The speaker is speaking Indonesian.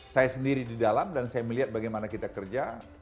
saya sendiri di dalam dan saya melihat bagaimana kita kerja